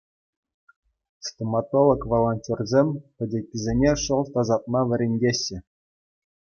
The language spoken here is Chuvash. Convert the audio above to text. Стоматолог-волонтерсем пӗчӗккисене шӑл тасатма вӗрентеҫҫӗ.